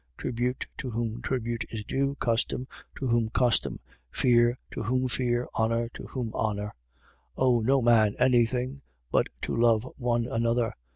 Tribute, to whom tribute is due: custom, to whom custom: fear, to whom fear: honour, to whom honour. 13:8. Owe no man any thing, but to love one another.